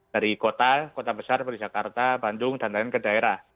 dari kota kota besar dari jakarta bandung dan lain lain ke daerah